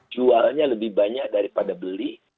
jualnya lebih banyak daripada beli